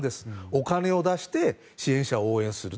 お金を出して支援者を応援する。